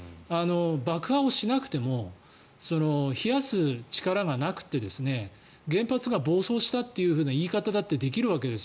爆破をしなくても冷やす力がなくて原発が暴走したという言い方もできるわけです。